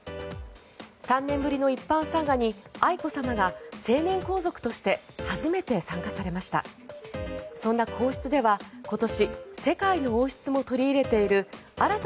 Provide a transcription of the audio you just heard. ３年ぶりの一般参賀に愛子さまが成年皇族として初めて参加されました。